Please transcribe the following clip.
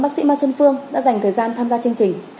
bác sĩ ma trân phương đã dành thời gian tham gia chương trình